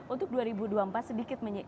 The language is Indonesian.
untuk dua ribu dua puluh empat sedikit